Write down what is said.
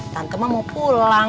tante mah mau pulang